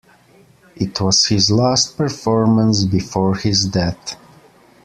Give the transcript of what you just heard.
It was his last performance before his death.